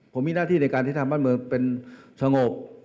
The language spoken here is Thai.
ผมมีหน้าที่ในการที่ทำบ้านเมืองเป็นสงบ